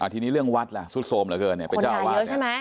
ทีนี้เรื่องวัดล่ะสุดโทรมหรือเป็นเจ้าวัด